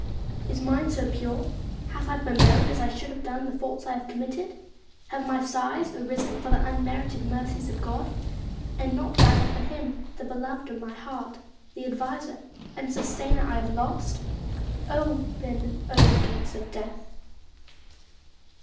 Lady Lisle. Is mine so pure 1 Have I bemoaned, as I should have done, the faults I have committed 1 Have my sighs arisen for the unmerited mercies of my God ; and not rather for him, the beloved of my heart, the adviser and sustainer I have lost 1 Open, gates of Death